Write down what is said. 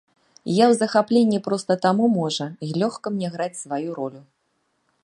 Я ў захапленні проста, таму, можа, й лёгка мне граць сваю ролю.